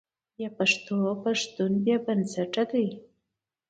بې پښتوه پښتون بې بنسټه دی.